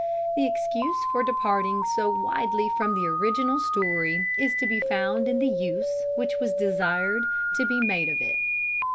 The excuse for departing so widely from the original story is to be found in the use which was desired to be made of it.